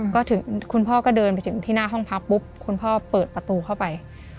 ก็ถึงคุณพ่อก็เดินไปถึงที่หน้าห้องพักปุ๊บคุณพ่อเปิดประตูเข้าไป